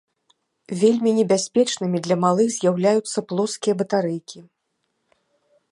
Вельмі небяспечнымі для малых з'яўляюцца плоскія батарэйкі.